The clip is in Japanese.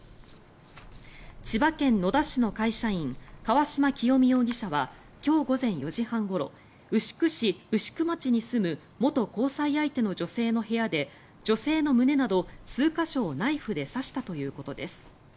千葉県野田市の会社員川島清美容疑者は今日午前４時半ごろ牛久市牛久町に住む元交際相手の女性の部屋で女性の胸など数か所をナイフで刺したということです。